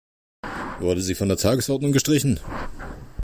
Wurde sie von der Tagesordnung gestrichen?